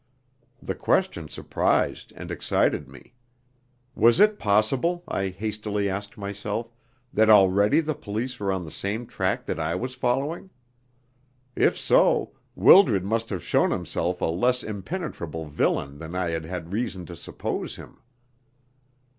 The question surprised and excited me. Was it possible, I hastily asked myself, that already the police were on the same track that I was following? If so, Wildred must have shown himself a less impenetrable villain than I had had reason to suppose him.